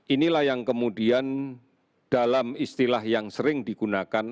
inilah yang kemudian dalam istilah yang sering digunakan